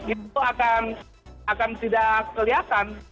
itu akan tidak kelihatan